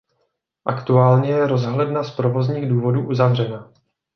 Aktuálně je rozhledna z provozních důvodů uzavřena.